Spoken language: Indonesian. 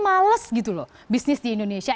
males gitu loh bisnis di indonesia